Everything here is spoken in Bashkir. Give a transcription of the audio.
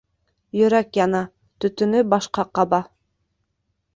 Йөрәк яна, төтөнө башҡа ҡаба.